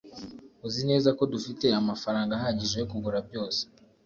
uzi neza ko dufite amafaranga ahagije yo kugura byose